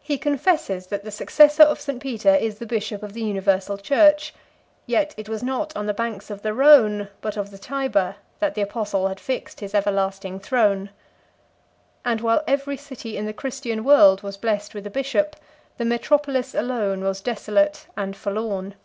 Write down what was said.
He confesses that the successor of St. Peter is the bishop of the universal church; yet it was not on the banks of the Rhône, but of the Tyber, that the apostle had fixed his everlasting throne; and while every city in the Christian world was blessed with a bishop, the metropolis alone was desolate and forlorn.